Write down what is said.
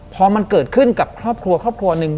พอมันเกิดขึ้นกับครอบครัวครอบครัวหนึ่ง